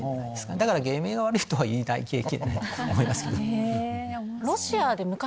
だから芸名が悪いとは言えないと思います。